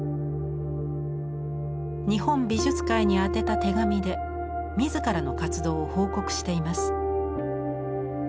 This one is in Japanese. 日本美術会に宛てた手紙で自らの活動を報告しています。